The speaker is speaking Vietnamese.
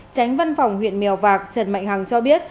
tránh văn phòng huyện mèo vạc trần mạnh hằng cho biết